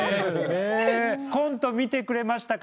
コント見てくれましたか？